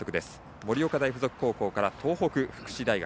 盛岡大付属高校から東北福祉大学。